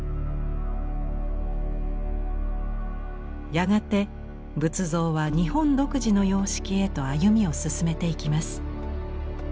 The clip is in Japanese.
やがて仏像は日本独自の様式へと歩みを進めていきます。